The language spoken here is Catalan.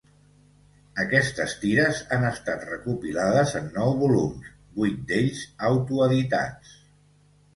Aquestes tires han estat recopilades en nou volums, vuit d'ells autoeditats.